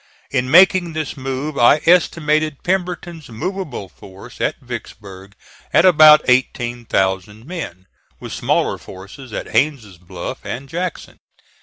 In making this move I estimated Pemberton's movable force at Vicksburg at about eighteen thousand men, with smaller forces at Haines' Bluff and Jackson.